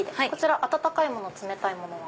温かいもの冷たいものは？